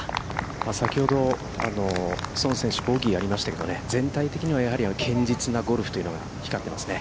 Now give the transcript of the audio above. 先ほど、宋選手、ボギーありましたけど、全体的には、堅実なゴルフというのが光ってますね。